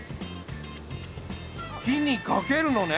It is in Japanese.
火にかけるのね。